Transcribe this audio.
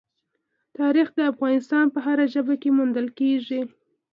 تاریخ د افغانستان په هره برخه کې موندل کېږي.